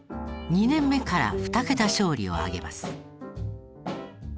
２年目から２桁勝利を挙げます。